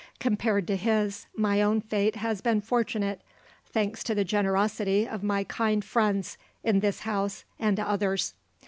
Compared to his, my own fate has been fortunate, thanks to the generosity of my kind friends in this house, and to others.